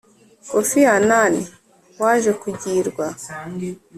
kofi annan, waje kugirwa